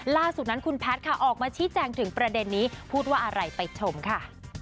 ล่าสุดนั้นคุณแพทย์ค่ะออกมาชี้แจงถึงประเด็นนี้พูดว่าอะไรไปชมค่ะ